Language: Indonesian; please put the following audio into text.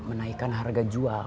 mereka terpaksa menaikan harga jual